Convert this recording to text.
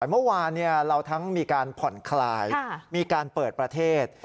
เมื่อวานเราทั้งมีการผ่อนคลายมีการเปิดประเทศ